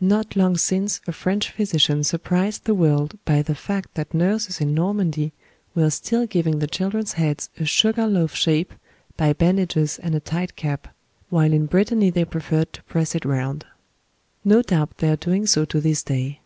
"Not long since a French physician surprised the world by the fact that nurses in Normandy were still giving the children's heads a sugar loaf shape by bandages and a tight cap, STUCCO BAS RELIEF IN THE PALACE OF PALENQUE. while in Brittany they preferred to press it round. No doubt they are doing so to this day."